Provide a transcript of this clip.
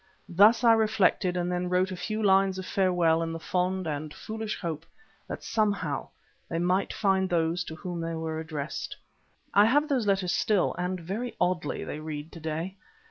Thus I reflected and then wrote a few lines of farewell in the fond and foolish hope that somehow they might find those to whom they were addressed (I have those letters still and very oddly they read to day).